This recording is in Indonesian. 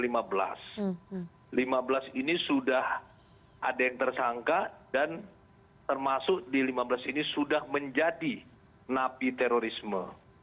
lima belas ini sudah ada yang tersangka dan termasuk di lima belas ini sudah menjadi napi terorisme